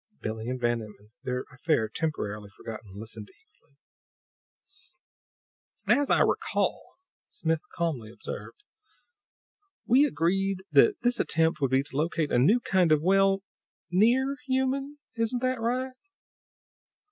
Billie and Van Emmon, their affair temporarily forgotten, listened eagerly. "As I recall it," Smith calmly observed, "we agreed that this attempt would be to locate a new kind of well, near human. Isn't that right?"